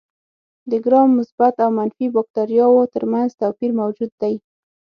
د ګرام مثبت او منفي باکتریاوو تر منځ توپیر موجود دی.